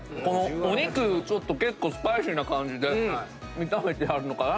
お肉結構スパイシーな感じで炒めてあるのかな。